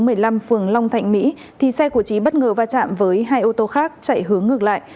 phường long thạnh mỹ thì xe của trí bất ngờ va chạm với hai ô tô khác chạy hướng ngược lại